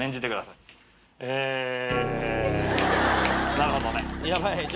なるほどね。